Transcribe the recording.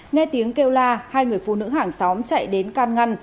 nghe tiếng kêu la hai người phụ nữ hàng xóm chạy đến can ngăn